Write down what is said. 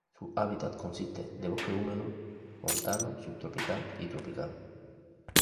Su hábitat consiste de bosque húmedo montano subtropical y tropical.